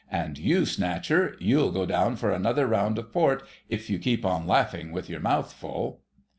And you, Snatcher—you'll go down for another round of port if you keep on laughing with your mouth full."